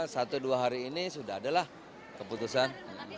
satu dua hari ini sudah adalah keputusan